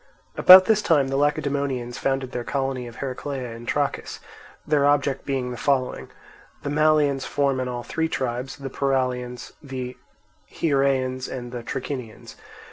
About this time the Lacedaemonians founded their colony of Heraclea in Trachis, their object being the following: the Malians form in all three tribes, the Paralians, the Hiereans, and the Trachinians.